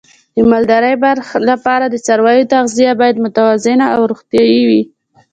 د مالدارۍ لپاره د څارویو تغذیه باید متوازنه او روغتیايي وي.